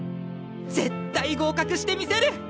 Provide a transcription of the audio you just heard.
絶対合格してみせる！